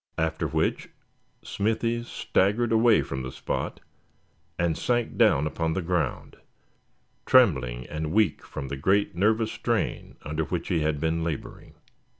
After which Smithy staggered away from the spot, and sank down upon the ground, trembling and weak from the great nervous strain under which he had been laboring.